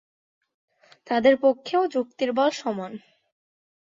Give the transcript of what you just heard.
তাঁদের পক্ষেও যুক্তির বল সমান।